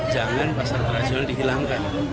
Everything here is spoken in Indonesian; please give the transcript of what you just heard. jangan pasar tradisional dihilangkan